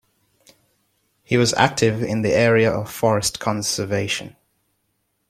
He was active in the area of forest conservation.